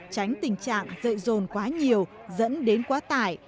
tránh tình trạng dậy rồn quá nhiều dẫn đến quá tải